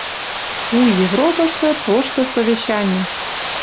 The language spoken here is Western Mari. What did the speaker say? У ЕВРОПЫШТЫ ТОШТЫ СОВЕЩАНИ